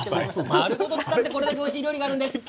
丸ごと使ってこれだけおいしいものがあるんです。